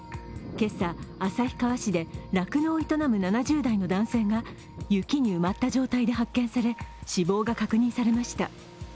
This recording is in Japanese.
今朝、旭川市で酪農を営む７０代の男性が雪に埋もった状態で発見され、死亡が確認されました。